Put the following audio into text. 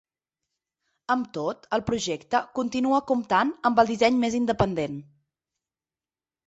Amb tot, el projecte continua comptant amb el disseny més independent.